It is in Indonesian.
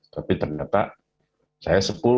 tapi ternyata saya sepuluh